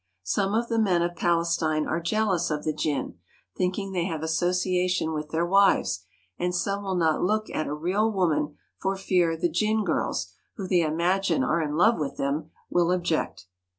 Some of the men of Palestine are jealous of the jinn, thinking they have association with their wives, and some will not look at a real woman for fear the jinn girls, who they imagine are in love with them, will object.